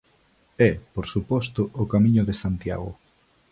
E, por suposto, o Camiño de Santiago.